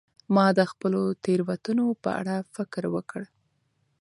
ما د خپلو تیروتنو په اړه فکر وکړ.